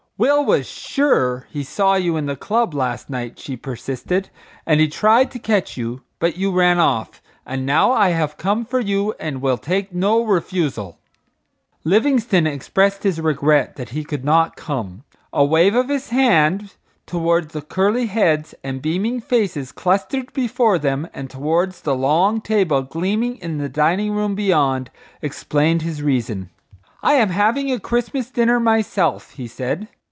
"Will was sure he saw you in the club last night," she persisted, "and he tried to catch you, but you ran off; and now I have come for you and will take no refusal." Livingstone expressed his regret that he could not come. A wave of his hand towards the curly heads and beaming faces clustered before them and towards the long table gleaming in the dining room beyond explained his reason. "I am having a Christmas dinner myself," he said.